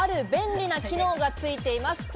実はある便利な機能がついています。